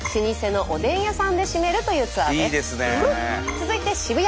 続いて渋谷。